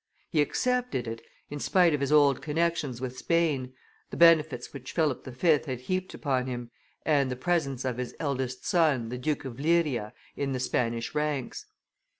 He accepted it, in spite of his old connections with Spain, the benefits which Philip V. had heaped upon him, and the presence of his eldest son, the Duke of Liria, in the Spanish ranks.